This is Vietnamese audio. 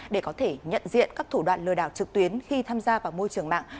để có thể nhận diện các thủ đoạn lừa đảo trực tuyến khi tham gia vào môi trường mạng